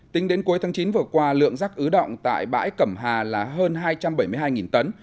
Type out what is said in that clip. tính đến cuối tháng chín vừa qua lượng rác ứ động tại bãi cẩm hà là hơn hai trăm bảy mươi hai tấn